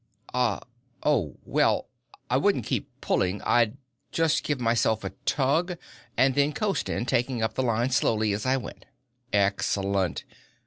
_" "Uh. Oh. Well, I wouldn't keep pulling. I'd just give myself a tug and then coast in, taking up the line slowly as I went." "Excellent!